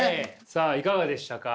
さあいかがでしたか？